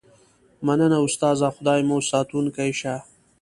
مننه استاده خدای مو ساتونکی شه